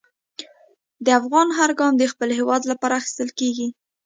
د افغان هر ګام د خپل هېواد لپاره اخیستل کېږي.